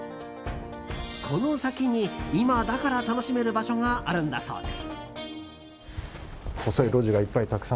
この先に今だから楽しめる場所があるんだそうです。